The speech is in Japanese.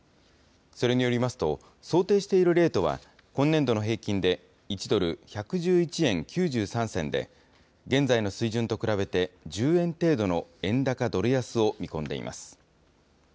それによりますと、想定しているレートは、今年度の平均で１ドル１１１円９３銭で、現在の水準と比べて、１０円程度の円高ドル安を見込んでいます。